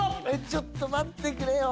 ちょっと待ってくれよ。